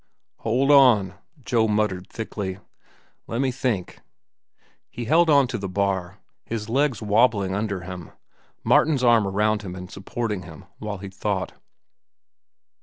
"Hold on," Joe muttered thickly. "Lemme think." He held on to the bar, his legs wobbling under him, Martin's arm around him and supporting him, while he thought.